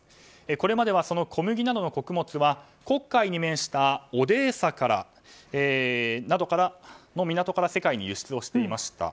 これまでは小麦などの穀物は黒海に面したオデーサなどの港から世界に輸出していました。